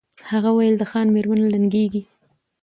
هغه وویل د خان مېرمن لنګیږي